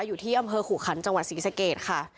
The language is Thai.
อยู่ที่อำเภอขู่ขันจังหวัดศรีสเกตค่ะ